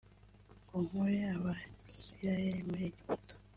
ngo nkure Abisirayeli muri Egiputa